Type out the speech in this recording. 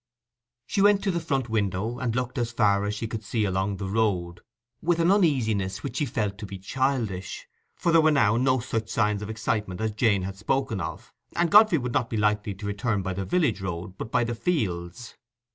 She went to the front window and looked as far as she could see along the road, with an uneasiness which she felt to be childish, for there were now no such signs of excitement as Jane had spoken of, and Godfrey would not be likely to return by the village road, but by the fields.